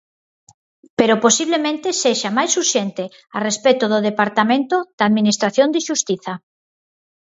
Pero posiblemente sexa máis urxente a respecto do departamento da Administración de xustiza.